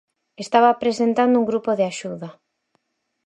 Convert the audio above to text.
Estaba presentando un grupo de axuda.